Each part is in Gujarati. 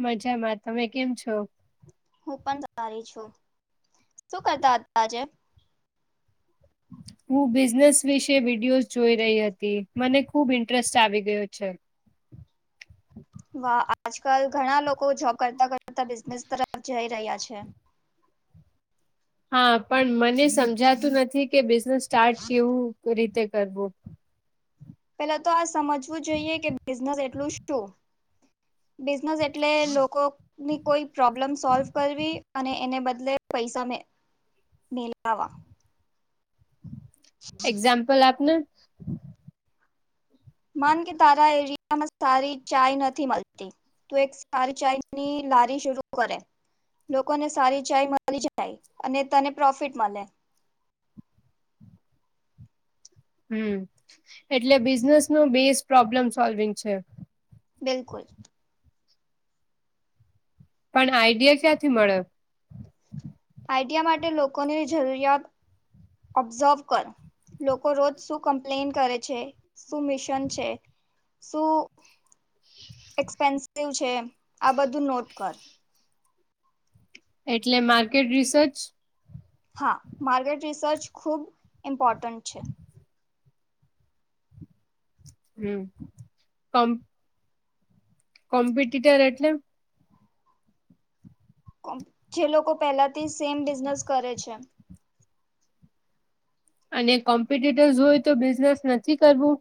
મજામાં તમે કેમ છો? હું પણ સારી છું શું કરતા તા આજે. [unintelligible] હું બિઝનેસ વિશે વિડયોઝ જોઈ રહી હતી મને ખુબ ઇન્ટરેસ્ટ આવી ગયો છે. વા આજકાલ ઘણા લોકો જોબ કરતા કરતા બિઝનેસ તરફ જઈ રહ્યા છે. હા પણ મને સમજાતું નથી કે બિઝનેસ સ્ટાર્ટ કેવું રીતે કરવું. પેલા તો આ સમજવું જોઈએ કે બિઝનેસ એટલું શું. બિઝનેસ એટલે લોકોની કોઈ પ્રોબ્લેમ સોલ્વ કરવી. અને એને બદલે પૈસા મેલાવા. [unintelligible] એક્ઝામ્પલ આપને. માન કે તારા એરિયામાં સારી ચાય નથી મળતી. તુ એક સારી ચાય ની લારી શરૂ કર એમ. લોકોને સારી ચાય મળી જાય અને તને પ્રોફિટ મળે. હમ એટલે બિઝનેસ નો બેઝ પ્રોબ્લેમ સોલ્વિંગ છે. બિલકુલ. પણ આઈડિયા ક્યાંથી મળે. આઈડિયા માટે લોકોની જરૂરિયાત ઓબ્ઝર્વ કર. લોકો રોજ શું કમ્પ્લેન કરે છે શું મિશન છે શું એક્સપેન્સિવ છે આ બધું નોટ કર એટલે માર્કેટ રિસર્ચ હા માર્કેટ રિસર્ચ ખૂબ ઇમ્પોર્ટન્ટ છે હમ કમ કોમ્પિટટર એટલે જે લોકો પહેલાથી સેમ બિઝનેસ કરે છે અને કોમ્પિટેટર્ હોય તો બિઝનેસ નથી કરવું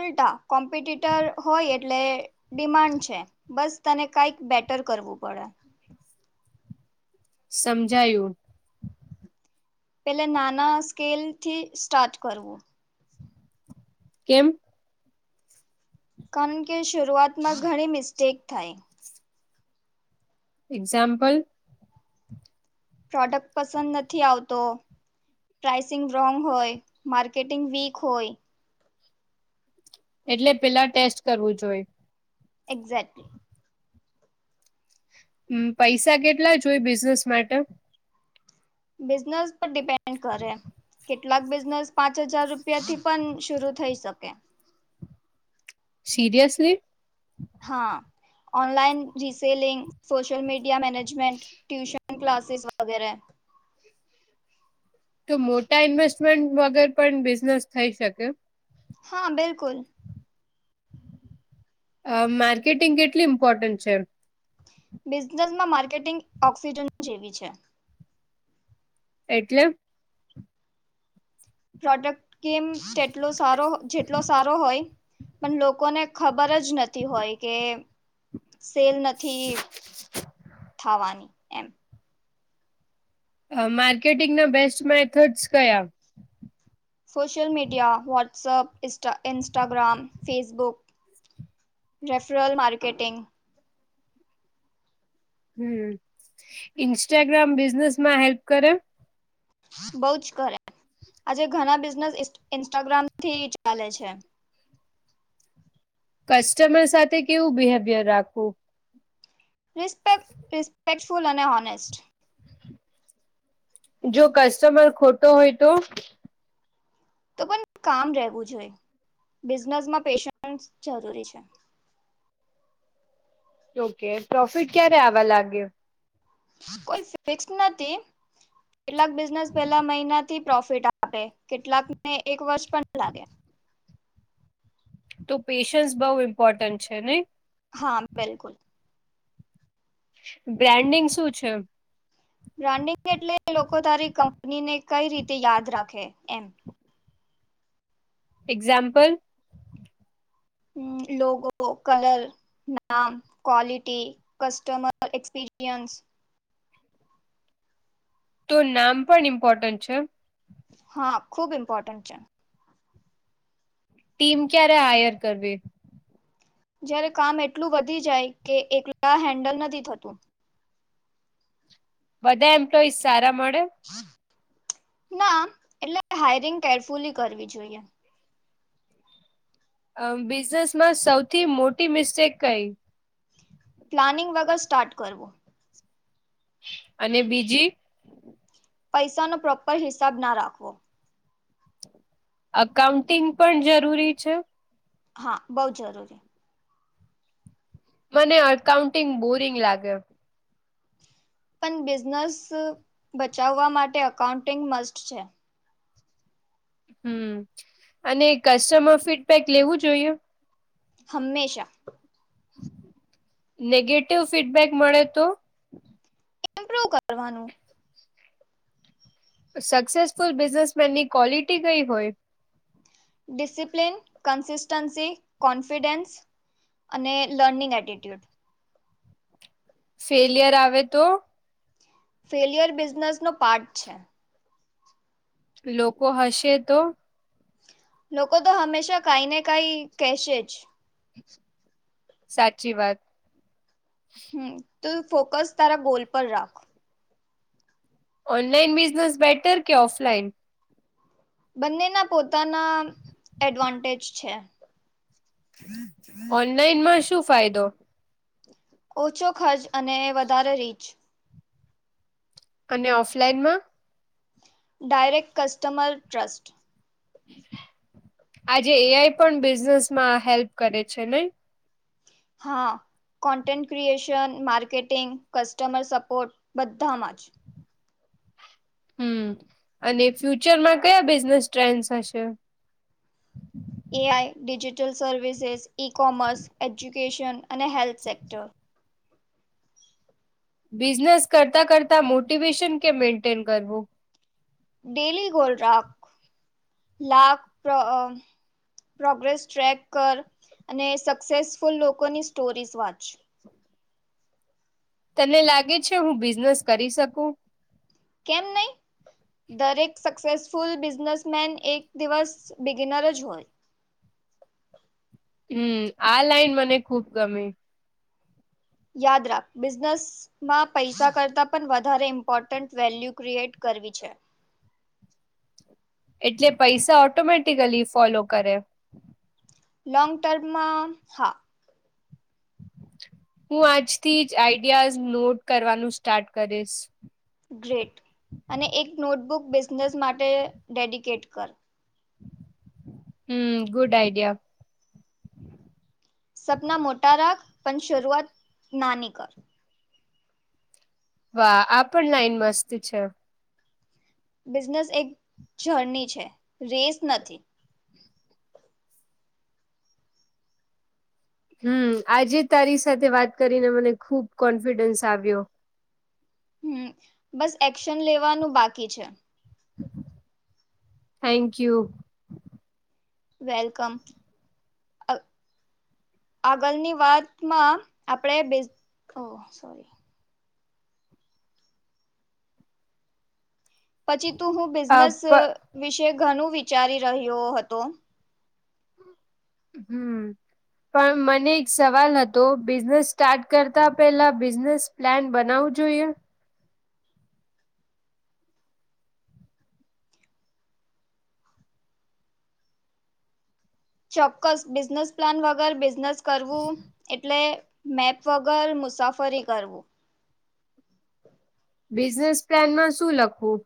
ઉલટા કોમ્પિટટર હોય એટલે ડિમાન્ડ છે બસ તને કાંઈક બેટર કરવું પડે સમજાયું પે નાના સ્કેલ થી સ્ટાર્ટ કરવું કેમ કારણણ કે શુરૂઆતમાં ઘણી મિસ્ટેક થઈ એક્ઝામ્પલ પ્રોડક્ટ પસંદ નથી આવતો પ્રાઇસિંગ રોંગ હોય માર્કેટિંગ વીક હોય એટલે પેલા ટેસ્ટ કરવું જોઈ એક્ઝાક્ટલી હમ પૈસા કેટલા જો હોય બિઝનેસ માટે બિઝનેસ પર ડિપેન્ડ કરે કે કેટલાક બિઝનેસ પાંચ હજાર રૂપિયા થી પણ શરરૂ થઈ શકે સીરયસલી હા online reselling social media management tuition classes વગેરે તો મોટા ઇન્વેસ્ટમેન્ટ વગર પણ બિઝનેસ થઈ શકે હા બિલકુલ અ માર્કેટિંગ કેટલી ઇમ્પોર્ટન્ટ છે બિઝનેસમાં માર્કેટિંગ ઓક્સિજન જેવી છે એટલે પ્રોડક્ટ કેમ જેટલો સારો જેટલો સારો હોય પણ લોકોને ખબર જ નથી હોય કે સેલ નથી થવાની એમ માર્કેટિંગના બેસ્ટ મેથડ્સ કયા social media WhatsApp Instagram Facebook referral marketing હમ ઇન્સ્ટાગ્રામ બિઝનેસ માં હેલ્પ કરે બઉ જ કરે આજે ઘણા બિઝનેસ ઇન્સ્ટાગ્રામ થી ચાલે છે કસ્ટમર સાથે કેવું બિહેવિયર રાખવું રિસ્પેક રિસ્પેક્ટફુલ અને હોનેસ્ટ જો કસ્ટમર ખોટો હોય તો તો પણ કામ રહેવું જોઈ બિઝનેસમાં પેશન્સ જરૂરી છે ઓકે પ્રોફિટ ક્યારે આવવા લાગ્યો કોઈ ફિક્સ નથી કેટલાક બિઝનેસ પહેલા મહિનાથી પ્રોફિટ આપે, કેટલાકને એક વર્ષ પણ લાગે. તો પેશન્સ બઉ ઇમ્પોર્ટન્ટ છે નઈ. હા, બિલકુલ. બ્રાન્ડિંગ શું છે બ્રાન્ડિંગ એટલે લોકો તારી કંપની ને કઈ રીતે યાદ રાખે એમ એક્ઝામ્પલ [unintelligible] કલર નામ ક્વલિટી કસ્ટમર એક્સપીરિયન્સ તો નામ પણ ઇમ્પોર્ટન્ટ છે. હા, ખુબ ઇમ્પોર્ટન્ટ છે. ટીમ ક્યારે હાયર કરવી? જ્યારે કામ એટલું વધી જાય કે એકલા હેન્ડલ નથી થતું. બધા એમ કઈ સારા મળે. ના, એટલે હાયરિંગ કેરફુલી કરવી જોઈએ. અમ, બિઝનેસમાં સૌથી મોટી મિસ્ટેક કઈ? પ્લાનિંગ વગર સ્ટાર્ટ કરવું. અને બીજી? પૈસાનો પ્રોપર હિસાબ ના રાખવો. અકાઉન્ટિંગ પણ જરૂરી છે? હા, બઉ જરૂરી. મને અકાઉન્ટિંગ બોરિંગ લાગે. પણ બિઝનેસ બચાવવા માટે અકાઉન્ટિંગ મસ્ટ છે. હમ્મ, અને કસ્ટમર ફીડબેક લેવું જોઈએ? હંમેશા. નેગેટિવ ફીડબેક મળે તો? પૂરું કરવાનું. સક્સેસફુલ બિઝનેસમેનની ક્વોલિટી કઈ હોય? ડિસિપ્લીન, કન્સિસ્ટન્સી, કોન્ફિડેન્સ અને લર્નિંગ એટીટ્યુડ. ફેલિયર આવે તો? ફેલિયર બિઝનેસનો પાર્ટ છે. લોકો હસે તો? લોકો તો હંમેશા કઈ ને કઈ કેશે જ. સાચી વાત. હમ્મ, તું ફોકસ તારા ગોલ પર રાખ. ઓનલાઈન બિઝનેસ બેટર કે ઓફલાઈન? બંનેના પોતાના એડવાન્ટેજ છે. ઓનલાઈનમાં શું ફાયદો? ઓછો ખર્ચ અને વધારે રીચ. અને ઓફલાઈનમાં? Direct customer trust. આજે એઆઈ પણ બિઝનેસમાં હેલ્પ કરે છે નઈ. હા. Content creation, marketing, customer support બધામાં જ. હમ્મ, અને ફ્યુચરમાં કયા બિઝનેસ ટ્રેન્ડસ હશે? AI, digital services, e-commerce, education અને હેલ્થ સેક્ટર. બિઝનેસ કરતા કરતા મોટિવેશન કેમ મેન્ટેન કરવું? ડેલી ગોલ રાખ, લાખ પ્ર અ પ્રોગ્રેસ ટ્રેક કર અને સક્સેસફુલ લોકોની સ્ટોરીઝ વાંચ. [inaudible] તને લાગે છે હું બિઝનેસ કરી શકું? કેમ નઈ? દરેક સક્સેસફુલ બિઝનેસમેન એક દિવસ બિગિનર જ હોય. હમ્મ, આ લાઈન મને ખુબ ગમી. યાદ રાખ, બિઝનેસ માં પૈસા કરતાં પણ વધારે ઈમ્પોર્ટન્ટ વેલ્યુ ક્રિએટ કરવી છે. એટલે પૈસા ઓટોમેટિકલી ફોલો કરે. લોંગ ટર્મમાં હા હું આજથી જ આઈડિયાઝ નોટ કરવાનું સ્ટાર્ટ કરીશ. ગ્રેટ અને એક નોટબુક બિઝનેસ માટે ડેડિકેટ કર હમ્મ ગુડ આઈડિયા સપના મોટા રાખ પણ શરૂઆત નાની કર વાહ આ પણ લાઈન મસ્ત છે. બિઝનેસ એક જર્ની છે રેસ નથી. હમ્મ આજે તારી સાથે વાત કરીને મને ખુબ કોન્ફિડન્સ આવ્યો. હમ્મ બસ એક્શન લેવાનું બાકી છે. Thank you. વેલકમ. આગળની વાતમાં આપણે બેઝ [unintelligible] સોરી પછી તું હું અ બિઝનેસ પ વિશે ઘણું વિચારી રહ્યો હતો. હમ્મ પણ મને એક સવાલ હતો બિઝનેસ સ્ટાર્ટ કરતા પેલા બિઝનેસ પ્લાન બનાવવું જોઈએ ચોક્કસ બિઝનેસ પ્લાન વગર બિઝનેસ કરવું એટલે મેપ વગર મુસાફરી કરવું. બિઝનેસ પ્લાનમાં શું લખવું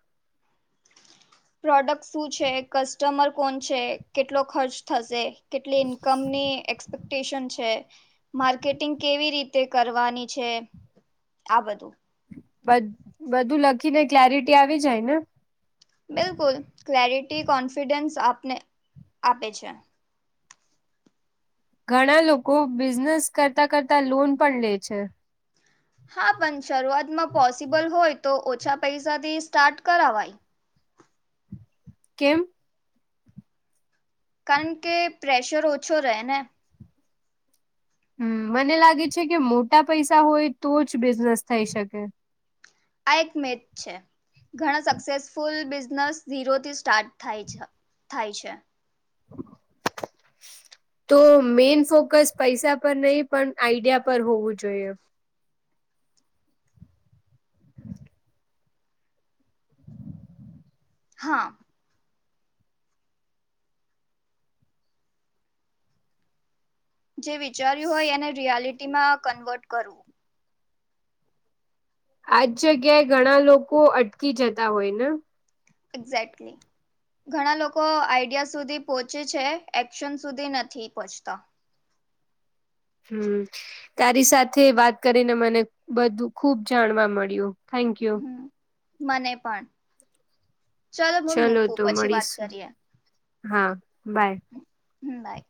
પ્રોડક્ટ શું છે કસ્ટમર કોણ છે કેટલો ખર્ચ થશે કેટલી ઇન્કમની એક્સપેક્ટેશન છે. માર્કેટિંગ કેવી રીતે કરવાની છે આ બધું. [unintelligible] બધું લખી ને ક્લેરિટી આવી જાય ને બિલકુલ ક્લેરિટી કોન્ફિડન્સ આપને આપે છે. ઘણા લોકો બિઝનેસ કરતા કરતા લોન પણ લે છે. હા પણ શરૂઆતમાં પોસિબલ હોય તો ઓછા પૈસાથી સ્ટાર્ટ કરાવાય. કેમ કારણ કે પ્રેશર ઓછો રહે ને હમ મને લાગે છે કે મોટા પૈસા હોય તો જ બિઝનેસ થઈ શકે. આ એક મિથ છે. ઘણા સક્સેસફુલ બિઝનેસ ઝીરોથી સ્ટાર્ટ થાય છે થાય છે. તો મેન ફોકસ પૈસા પર નહી પણ આઈડિયા પર હોવું જોઈએ. હા જે વિચાર્યું હોય એને રિયાલિટીમાં કન્વર્ટ કરવું. આજ જગ્યાએ ઘણા લોકો અટકી જતા હોય ને એક્ઝેક્ટલી ઘણા લોકો આઈડિયા સુધી પોહોંચે છે એક્શન સુધી નથી પહોંચતા. હમ્મ. તારી સાથે વાત કરીને મને બધું ખુબ જાણવા મળ્યું થેન્ક યુ. મને પણ ચલોો હું ચલો મૂકું તો પછી વાત મળીશું કરીએ. હા બાય હમ્મ બાય